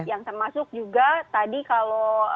yang termasuk juga tadi kalau